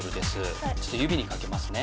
ちょっと指にかけますね。